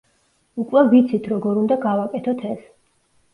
უკვე ვიცით, როგორ უნდა გავაკეთოთ ეს.